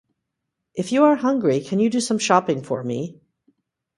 If you are hungry, can you do some shopping for me?